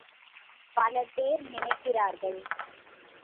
பல பேர் நினைக்கிறார்கள்.